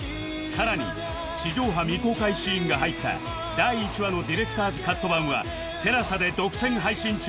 さらに地上波未公開シーンが入った第１話のディレクターズカット版は ＴＥＬＡＳＡ で独占配信中